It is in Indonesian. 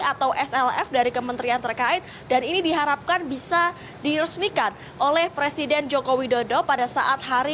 atau slf dari kementerian terkait dan ini diharapkan bisa diresmikan oleh presiden joko widodo pada saat hari